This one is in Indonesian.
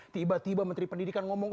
tiba tiba menteri pendidikan ngomong